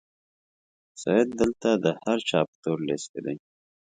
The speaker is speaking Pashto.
سید دلته د هر چا په تور لیست کې دی.